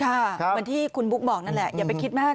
เหมือนที่คุณบุ๊คบอกนั่นแหละอย่าไปคิดมาก